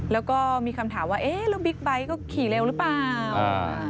แล้วก็มีคำถามว่าเอ๊ะแล้วบิ๊กไบท์ก็ขี่เร็วหรือเปล่าอ่า